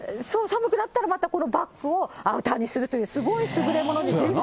寒くなったらまたこのバッグをアウターにするというすごい優れもの。